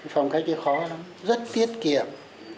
phong cách thì khó lắm rất tiết kiệm